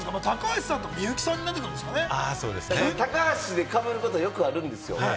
高橋でかぶることよくあるんですよ。